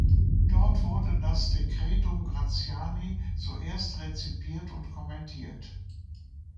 Dort wurde das "Decretum Gratiani" zuerst rezipiert und kommentiert.